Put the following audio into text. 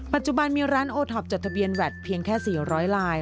ปัจจุบันมีร้านโอท็อปจดทะเบียนแวดเพียงแค่๔๐๐ลาย